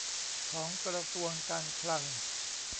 ของกระทรวงการคลัง